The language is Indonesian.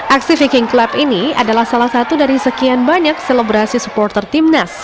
aksi viking club ini adalah salah satu dari sekian banyak selebrasi supporter timnas